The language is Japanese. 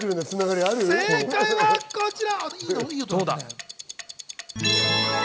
正解はこちら！